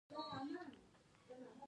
کيداريان يې ختيځ لوري ته وشړل